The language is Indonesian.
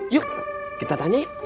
yuk kita tanya yuk